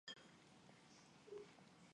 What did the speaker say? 我想弄个奖